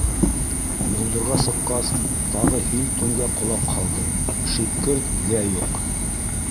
Болдорға сыҡҡас, тағы һил төнгә ҡолаҡ һалды: шипкерт гә юҡ.